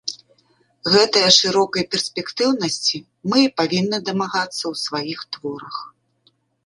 Гэтае шырокай перспектыўнасці мы і павінны дамагацца ў сваіх творах.